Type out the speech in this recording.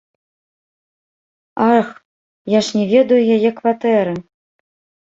Ах, я ж не ведаю яе кватэры.